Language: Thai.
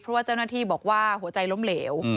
เพราะว่าเจ้าหน้าที่บอกว่าหัวใจล้มเหลว